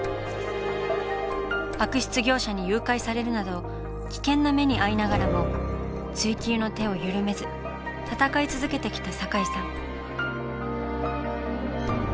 悪質業者に誘拐されるなど危険な目に遭いながらも追及の手を緩めず闘い続けてきた堺さん。